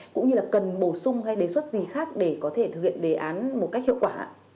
cũng như là cần bổ sung hay đề xuất gì khác để có thể thực hiện đề án một cách hiệu quả